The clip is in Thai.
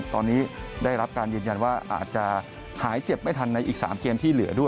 ตอนนี้ได้รับการยืนยันว่าอาจจะหายเจ็บไม่ทันในอีก๓เกมที่เหลือด้วย